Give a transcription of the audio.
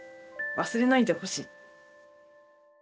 忘れないでほしい。